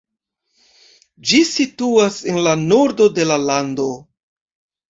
Ĝi situas en la nordo de la lando.